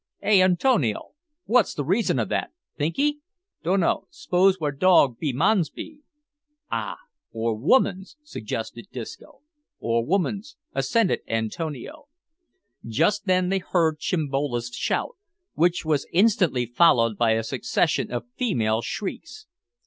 Eh, Antonio, wot's the reason of that, think 'ee?" "Dunno; s'pose where dog be mans be?" "Ah! or womans," suggested Disco. "Or womans," assented Antonio. Just then they heard Chimbolo's shout, which was instantly followed by a succession of female shrieks.